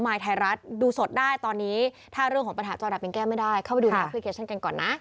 ไทยรัฐดูสดได้ตอนนี้ถ้าเรื่องของปัญหาจอดับยังแก้ไม่ได้เข้าไปดูแอปพลิเคชันกันก่อนนะ